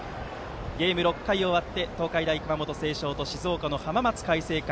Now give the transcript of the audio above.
ゲーム、６回を終わって東海大熊本星翔と静岡の浜松開誠館。